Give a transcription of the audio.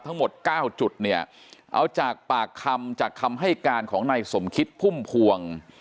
ทั้งหมด๙จุดเนี่ยเอาจากปากคำจากคำให้การของนายสมคิดพุ่มพวง